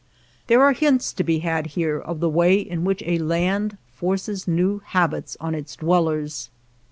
There are hints to be had here of the way in which a land forces new hab its on its dwellers.